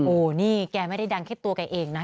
โอ้โหนี่แกไม่ได้ดังแค่ตัวแกเองนะ